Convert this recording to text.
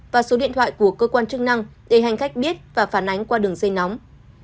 và số điện thoại của cơ quan chức năng để hành khách biết và phản ánh qua đường dây nóng